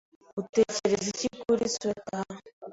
Utekereza iki kuri swater?